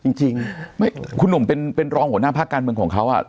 จริงจริงไม่คุณหนุ่มเป็นรองหัวหน้าภาคการเมืองของเขาอ่ะ